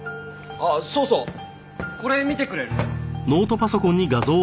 あっそうそうこれ見てくれる？